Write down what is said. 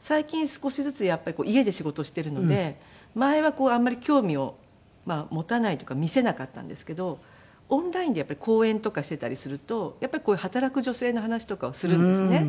最近少しずつやっぱり家で仕事しているので前はあんまり興味を持たないというか見せなかったんですけどオンラインでやっぱり講演とかしていたりするとやっぱりこういう働く女性の話とかをするんですね。